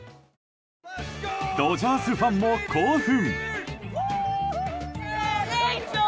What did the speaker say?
ドジャースファンも興奮。